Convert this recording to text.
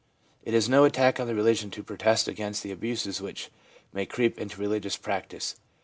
' It is no attack on religion to protest against the abuses which may creep into religious practice.